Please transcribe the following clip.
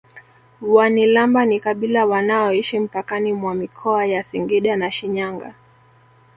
Wanilamba ni kabila wanaoishi mpakani mwa mikoa ya Singida na Shinyanga